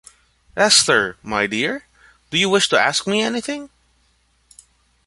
Esther, my dear, do you wish to ask me anything?